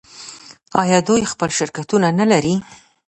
آیا دوی خپل شرکتونه نلري؟